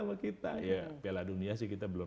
sama kita ya piala dunia sih kita belum